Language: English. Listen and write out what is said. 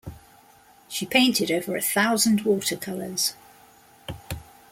She painted over a thousand watercolors.